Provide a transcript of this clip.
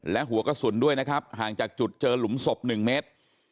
และหัวกระสุนด้วยนะครับห่างจากจุดเจอหลุมศพ๑เมตร